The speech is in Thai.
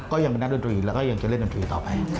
ก็ยังเป็นนักดนตรีแล้วก็ยังจะเล่นดนตรีต่อไป